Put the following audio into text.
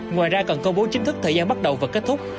ngoài ra cần công bố chính thức thời gian bắt đầu và kết thúc